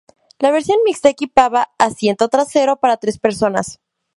La versión mixta equipaba asiento trasero para tres personas.